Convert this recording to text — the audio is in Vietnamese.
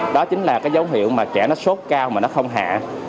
đó chính là cái dấu hiệu mà trẻ nó sốt cao mà nó không hạ